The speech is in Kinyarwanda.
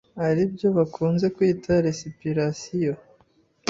ari byo bakunze kwita recuperation